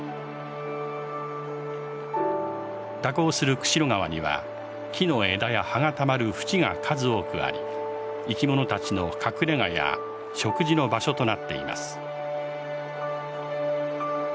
蛇行する釧路川には木の枝や葉がたまるふちが数多くあり生き物たちの隠れがや食事の場所となっています。